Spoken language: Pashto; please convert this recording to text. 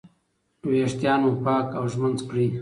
ویښتان مو پاک او ږمنځ کړئ.